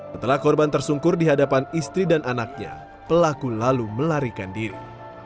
setelah korban tersungkur di hadapan istri dan anaknya pelaku lalu melarikan diri